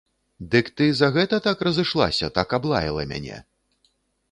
Дык ты за гэта так разышлася, так аблаяла мяне?